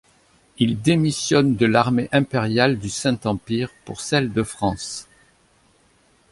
Il démissionne de l'armée impériale du Saint-Empire pour celle de France.